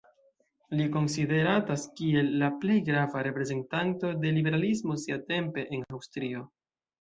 Li konsideratas kiel la plej grava reprezentanto de liberalismo siatempe en Aŭstrio.